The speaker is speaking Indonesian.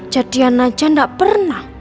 jadian aja gak pernah